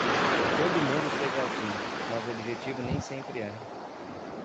Todo mundo chega ao fim, mas o objetivo nem sempre é.